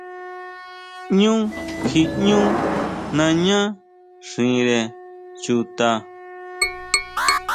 Ñú kjiʼñú naña xire chuta.